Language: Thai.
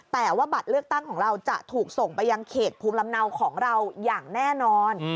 แต่ว่าบัตรเลือกตั้งของเราจะถูกส่งไปยังเขตภูมิลำเนาของเราอย่างแน่นอน